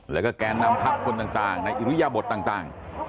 แล้วก็แกนน้ำพักคนต่างต่างในอิริยบทต่างต่าง